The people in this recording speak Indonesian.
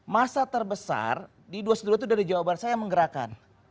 masa terbesar di dua ratus dua belas itu dari jawaban saya yang menggerakkan